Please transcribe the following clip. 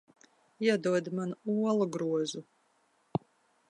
Iedod man olu grozu.